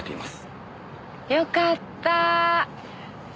よかった。